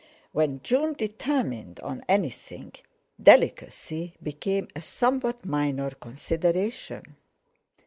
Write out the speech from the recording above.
When June determined on anything, delicacy became a somewhat minor consideration.